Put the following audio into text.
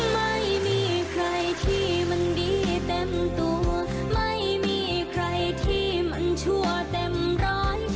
ไม่มีใครที่มันดีเต็มตัวไม่มีใครที่มันชั่วเต็มร้อย